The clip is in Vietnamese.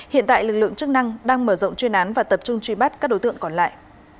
hiện tại lực lượng chức năng đang mở rộng chuyên án và tập trung truy bắt các đối tượng còn lại